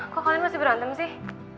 kok kalian masih berantem sih